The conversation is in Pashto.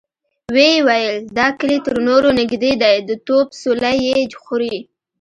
ويې ويل: دا کلي تر نورو نږدې دی، د توپ څولۍ يې خوري.